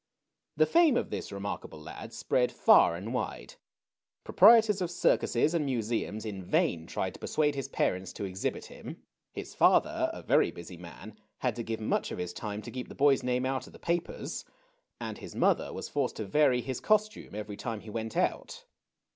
The fame of this remarkable lad spread far and wide. Proprietors of circuses and museums in vain tried to persuade his parents to exhibit him. His father^ a very busy man^ had to give much of his time to keep the boy's name out of the papers ; and his mother was forced to vary his costume every time he went out.